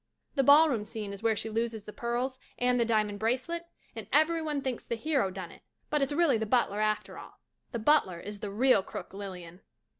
The ballroom scene is where she loses the pearls and the diamond bracelet and every one thinks the hero done it, but it's really the butler after all. The butler is the real crook, Lilian.